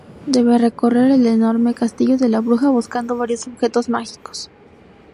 Debe recorrer el enorme castillo de la bruja buscando varios objetos mágicos.